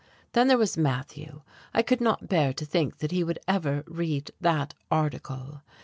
Then there was Matthew I could not bear to think that he would ever read that article.